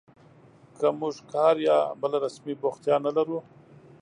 که موږ کار یا بله رسمي بوختیا نه لرو